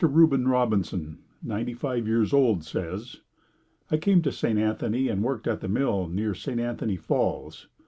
Reuben Robinson, ninety five years old, says: I came to St. Anthony and worked at the mill near St. Anthony Falls.